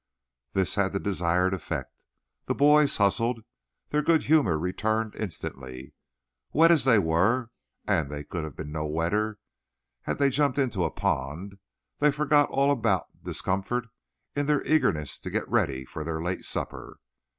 This had the desired effect. The boys hustled. Their good humor returned instantly. Wet as they were and they could have been no wetter had they jumped into a pond they forgot all about discomfort in their eagerness to get ready for their late supper.